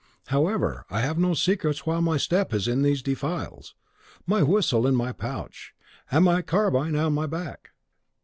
However, I have no secrets while my step is in these defiles, my whistle in my pouch, and my carbine at my back."